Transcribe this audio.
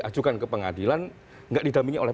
ajukan ke pengadilan enggak didampingi oleh